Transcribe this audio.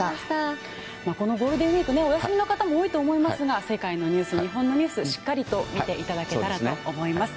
このゴールデンウィークお休みの方も多いと思いますが世界のニュース、日本のニュースしっかりと見ていただけたらと思います。